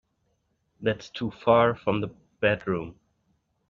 That's too far from the bedroom.